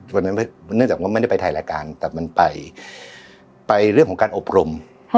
เพราะฉะนั้นเนื่องจากว่าไม่ได้ไปไทยรายการแต่มันไปไปเรื่องของการอบรมอ้อ